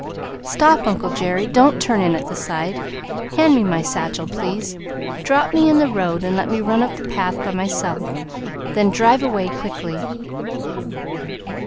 "Stop, uncle Jerry! Don't turn in at the side; hand me my satchel, please; drop me in the road and let me run up the path by myself. Then drive away quickly."